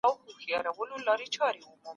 هیڅکله له کتاب او قلم څخه مه لیري کېږئ.